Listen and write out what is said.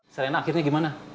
serena akhirnya gimana